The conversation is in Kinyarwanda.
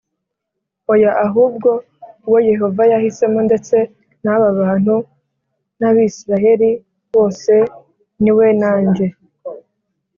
Oya ahubwo uwo yehova yahisemo ndetse n aba bantu n abisirayeli bose ni we nanjye